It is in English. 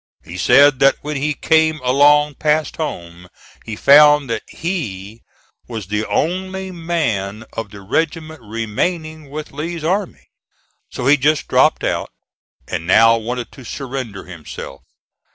He said that when he came along past home, he found that he was the only man of the regiment remaining with Lee's army, so he just dropped out, and now wanted to surrender himself.